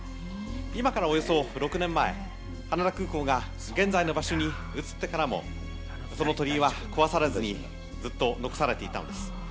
今からおよそ６年前、羽田空港が現在の場所に移ってからも、その鳥居は壊されずに、ずっと残されていたのです。